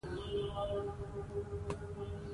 ازادي راډیو د کرهنه د ارتقا لپاره نظرونه راټول کړي.